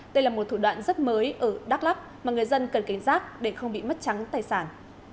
đây là một thủ đoạn rất mới ở đắk lắk mà người dân cần cảnh giác để không bị mất trắng tài sản